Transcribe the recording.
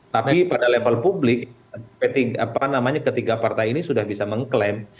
tapi pada level publik ketiga partai ini sudah bisa mengklaim